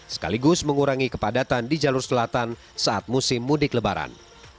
sekaligus mengurangi kepadatan di jalur selatan saat musim mudik lebaran